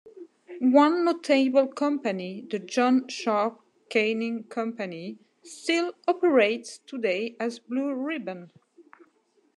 One notable company, The John Sharp Canning Company, still operates today as Blue Ribbon.